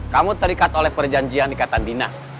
kamu terikat oleh perjanjian ikatan dinas